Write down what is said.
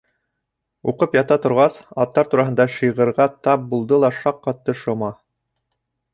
Уҡып ята торғас, аттар тураһындағы шиғырға тап булды ла шаҡ ҡатты Шома.